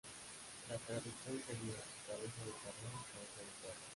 La traducción sería "cabeza de cabrón", "cabeza de perro".